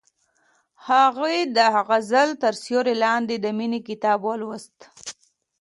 هغې د غزل تر سیوري لاندې د مینې کتاب ولوست.